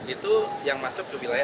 itu yang masuk ke rumah sakit